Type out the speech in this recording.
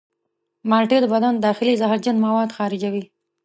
مالټې د بدن داخلي زهرجن مواد خارجوي.